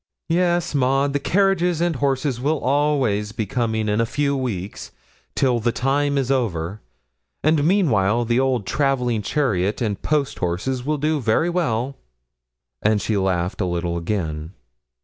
'Yes, Maud, the carriage and horses will always be coming in a few weeks, till the time is over; and meanwhile the old travelling chariot and post horses will do very well;' and she laughed a little again.